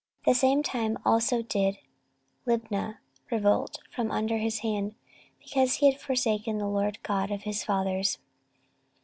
The same time also did Libnah revolt from under his hand; because he had forsaken the LORD God of his fathers.